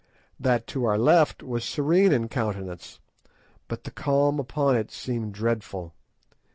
That to our left was serene in countenance, but the calm upon it seemed dreadful.